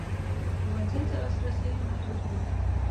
ښوونځیو ته لاسرسی محدود و.